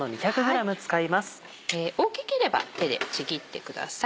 大きければ手でちぎってください。